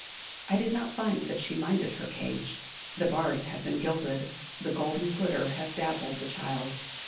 I did not find that she minded her cage. The bars have been gilded, the golden glitter has dazzled the child.